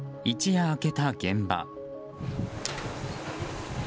一夜明けた現場。